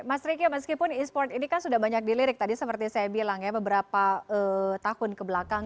mas ricky meskipun e sport ini kan sudah banyak dilirik tadi seperti saya bilang ya beberapa tahun kebelakang